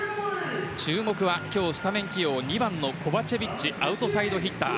注目は今日、スタメン起用２番のコバチェビッチアウトサイドヒッター。